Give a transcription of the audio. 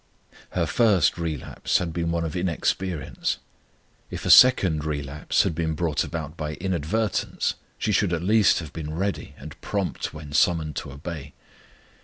Her first relapse had been one of inexperience; if a second relapse had been brought about by inadvertence she should at least have been ready and prompt when summoned to obey.